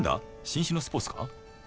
新種のスポーツか？